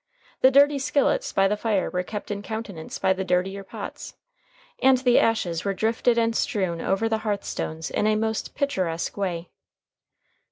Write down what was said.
The dirty skillets by the fire were kept in countenance by the dirtier pots, and the ashes were drifted and strewn over the hearth stones in a most picturesque way.